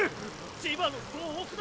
千葉の総北だぁ！